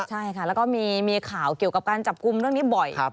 ใช่ค่ะแล้วก็มีข่าวเกี่ยวกับการจับกลุ่มเรื่องนี้บ่อย